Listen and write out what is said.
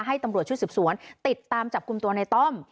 ให้ตำรวจชุดสืบสวนติดตามจับกลุ่มตัวในต้อม